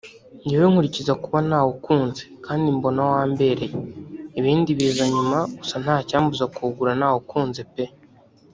“Njyewe nkurikiza kuba nawukunze kandi mbona wambereye ibindi biza nyuma gusa nta cyambuza kuwugura nawukunze pe”